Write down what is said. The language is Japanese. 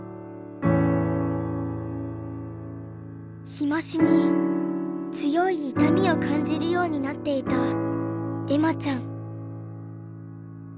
日増しに強い痛みを感じるようになっていた恵麻ちゃん。